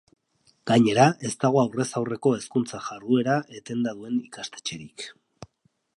Gainera, ez dago aurrez aurreko hezkuntza-jarduera etenda duen ikastetxerik.